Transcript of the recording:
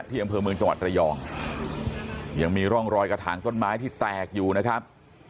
อำเภอเมืองจังหวัดระยองยังมีร่องรอยกระถางต้นไม้ที่แตกอยู่นะครับ